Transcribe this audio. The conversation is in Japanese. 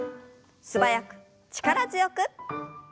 素早く力強く。